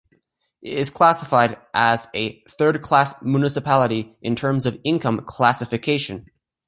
It is classified as a third class municipality in terms of income classification.